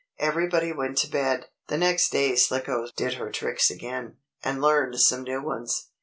Everybody went to bed. The next day Slicko did her tricks again, and learned some new ones.